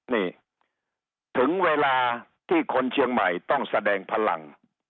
นี่ถึงเวลาที่คนเชียงใหม่ต้องแสดงพลัง